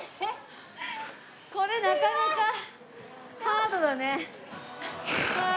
これなかなかハードだね。